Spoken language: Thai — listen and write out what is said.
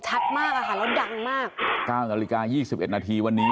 ชัดมากอะค่ะแล้วดังมากแก้วนาฬิกายี่สิบเอ็ดนาทีวันนี้